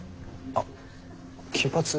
あっ金髪。